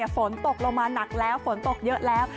ฝนตกลงมาหนักแล้วฝนตกเยอะแล้ว